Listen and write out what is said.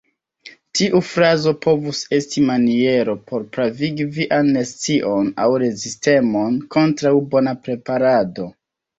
Tiu frazo povus esti maniero por pravigi vian nescion aŭ rezistemon kontraŭ bona preparado.